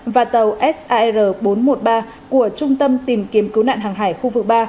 và tàu sar bốn trăm một mươi ba của trung tâm tìm kiếm cứu nạn hàng hải khu vực ba